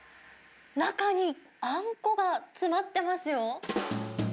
中にあんこが詰まってますよ。